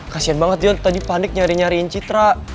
kasian banget dia tadi panik nyari nyariin citra